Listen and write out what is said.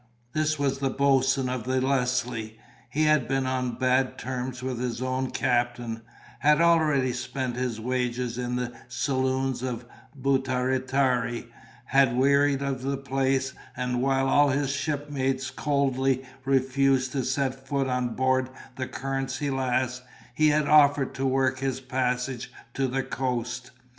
This was the boatswain of the Leslie; he had been on bad terms with his own captain, had already spent his wages in the saloons of Butaritari, had wearied of the place, and while all his shipmates coldly refused to set foot on board the Currency Lass, he had offered to work his passage to the coast.